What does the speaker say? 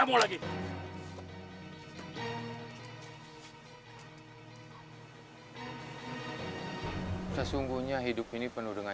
oh cukup kan